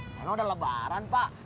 emang udah lebaran pak